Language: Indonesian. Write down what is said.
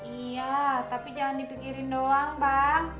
iya tapi jangan dipikirin doang bang